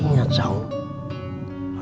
dengan kegiatan mereka